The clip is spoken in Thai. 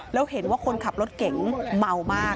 แล้วเห็นว่าคนขับรถเก๋งเมามาก